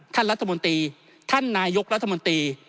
ท่านรัฐมนตรีท่านนายกรัฐมนตรี